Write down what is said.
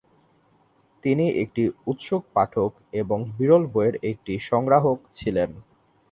তিনি একটি উৎসুক পাঠক এবং বিরল বইয়ের একটি সংগ্রাহক ছিলেন।